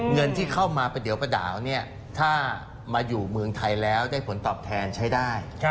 เงินที่เข้ามาประเดี๋ยวประดาวเนี่ยถ้ามาอยู่เมืองไทยแล้วได้ผลตอบแทนใช้ได้